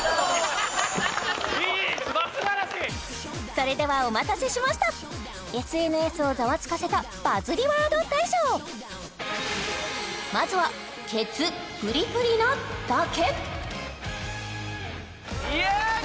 それではお待たせしましたＳＮＳをザワつかせたバズりワード大賞まずはイエーイ！